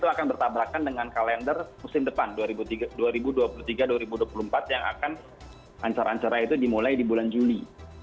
itu akan bertabrakan dengan kalender musim depan dua ribu dua puluh tiga dua ribu dua puluh empat yang akan ancar ancarai itu dimulai di bulan juli